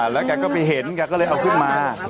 แล้วแกก็ไปเห็นแกก็เลยเอาขึ้นมา